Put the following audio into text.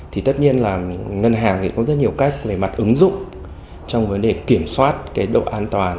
thì tất nhiên là ngân hàng thì có rất nhiều cách về mặt ứng dụng trong vấn đề kiểm soát cái độ an toàn